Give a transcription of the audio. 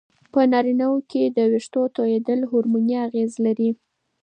په نارینه وو کې وېښتو توېیدل هورموني اغېزه لري.